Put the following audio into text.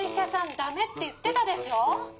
ダメって言ってたでしょ」。